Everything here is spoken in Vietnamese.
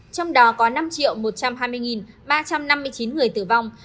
trong đó có năm một trăm hai mươi ba trăm năm mươi chín người tử vong